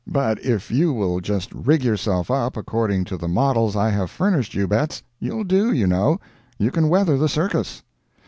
But if you will just rig yourself up according to the models I have furnished you, Bets, you'll do, you know—you can weather the circus.